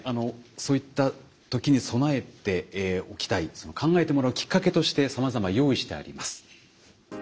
そういった時に備えておきたいその考えてもらうきっかけとしてさまざま用意してあります。